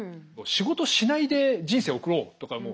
仕事しないで人生を送ろうとかも。